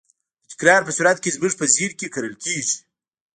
د تکرار په صورت کې زموږ په ذهن کې کرل کېږي.